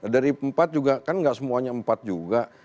dari empat juga kan gak semuanya empat juga